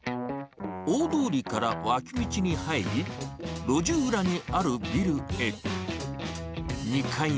大通りから脇道に入り、路地裏にあるビルへ。